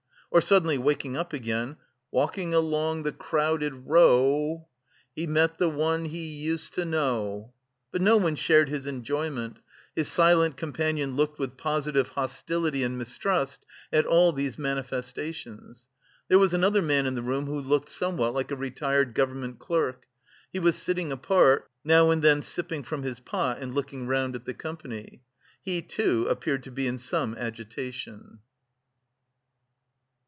Or suddenly waking up again: "Walking along the crowded row He met the one he used to know." But no one shared his enjoyment: his silent companion looked with positive hostility and mistrust at all these manifestations. There was another man in the room who looked somewhat like a retired government clerk. He was sitting apart, now and then sipping from his pot and looking round at the company. He, too, appeared to be in some agitation.